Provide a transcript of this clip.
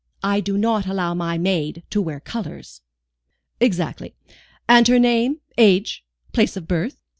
I do not allow my maid to wear colours." "Exactly. And her name, age, place of birth?"